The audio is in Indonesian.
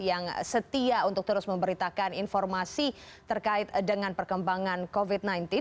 yang setia untuk terus memberitakan informasi terkait dengan perkembangan covid sembilan belas